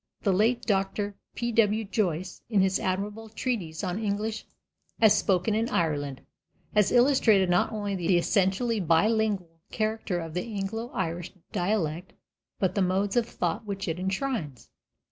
The late Dr. P.W. Joyce, in his admirable treatise on English as spoken in Ireland, has illustrated not only the essentially bilingual character of the Anglo Irish dialect, but the modes of thought which it enshrines.